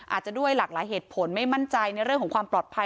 อาจจะด้วยหลากหลายเหตุผลไม่มั่นใจในเรื่องของความปลอดภัย